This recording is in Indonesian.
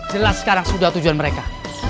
jelas sekarang sudah tujuan mereka